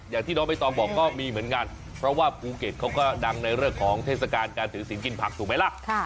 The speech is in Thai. อย่างที่น้องใบตองบอกก็มีเหมือนกันเพราะว่าภูเก็ตเขาก็ดังในเรื่องของเทศกาลการถือสินกินผักถูกไหมล่ะ